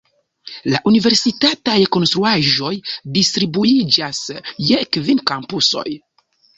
La universitataj konstruaĵoj distribuiĝas je kvin kampusoj.